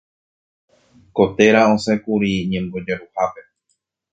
Ko téra osẽkuri ñembojaruhápe.